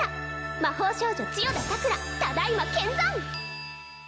魔法少女千代田桜ただいま見参！